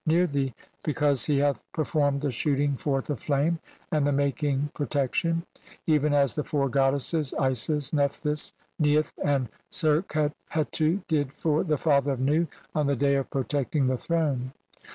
near thee, be "cause he hath performed the shooting forth of flame, "and the making protection, even as the four goddesses "Isis, Nephthys, Neith, and Serqet Hetu did for the "father of Nu on the day of protecting the throne.